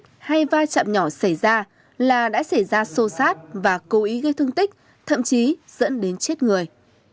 trong hai va chạm nhỏ xảy ra là đã xảy ra sô sát và cố ý gây thương tích thậm chí dẫn đến chết người